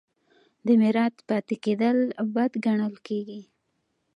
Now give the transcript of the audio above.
د میرات پاتې کیدل بد ګڼل کیږي.